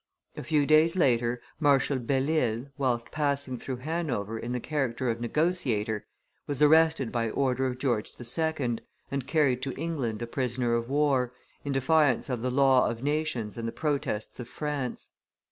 A few days later, Marshal Belle Isle, whilst passing through Hanover in the character of negotiator, was arrested by order of George II., and carried to England a prisoner of war, in defiance of the law of nations and the protests of France.